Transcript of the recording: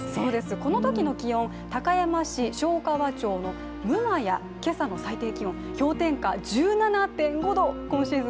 このときの気温、高山市荘川町六厩、今朝の最低気温、氷点下１７．５度今シーズン